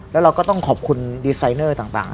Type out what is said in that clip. แล้วเราก็ต้องขอบคุณดีไซเนอร์ต่าง